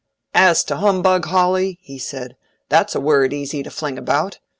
"As to humbug, Hawley," he said, "that's a word easy to fling about.